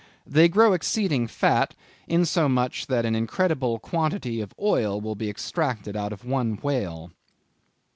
They grow exceeding fat, insomuch that an incredible quantity of oil will be extracted out of one whale."